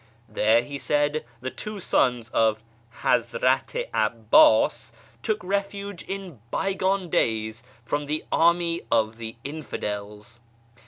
There, he said, the two sons of " Hazrat i 'Abbas " took refuge in bygone days from the " army of the infidels."